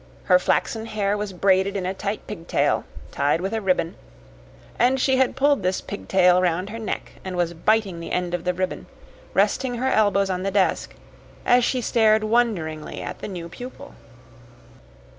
Her flaxen hair was braided in a tight pigtail, tied with a ribbon, and she had pulled this pigtail around her neck, and was biting the end of the ribbon, resting her elbows on the desk, as she stared wonderingly at the new pupil.